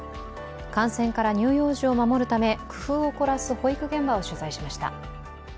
感染から乳幼児を守るため工夫を凝らす保育現場を取材しました。